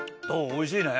おいしいね！